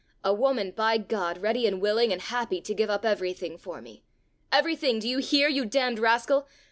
a woman, by God! ready and willing and happy to give up everything for me! Everything, do you hear, you damned rascal!